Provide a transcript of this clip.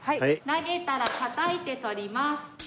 投げたらたたいて捕ります。